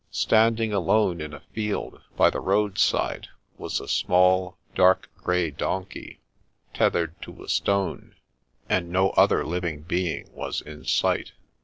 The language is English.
Standing alone in a field by the road side was a small, dark grey donkey, tethered to a stone; and no other living being was in sight.